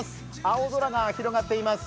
青空が広がっています。